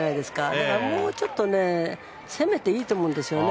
だから、もうちょっと攻めていいと思うんですよね。